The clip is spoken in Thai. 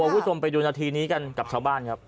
คุณผู้ชมไปดูนาทีนี้กันกับชาวบ้านครับ